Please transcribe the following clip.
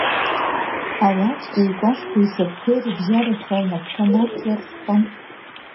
Ауаткеи Кәасҭа ишьапқәеи рыбжьарашәа лнацәа нақәлырххан…